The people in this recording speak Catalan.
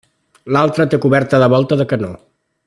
L'altre té coberta de volta de canó.